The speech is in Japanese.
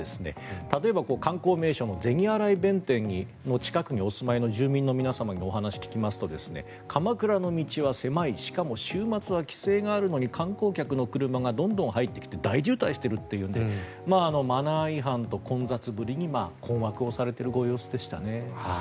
例えば観光名所の銭洗弁天の近くにお住まいの住民の皆様にお話を聞きますと鎌倉の道は狭いしかも週末は規制もあるのに観光客の車がどんどん入ってきて大渋滞しているというのでマナー違反と混雑ぶりに困惑されているご様子でしたね。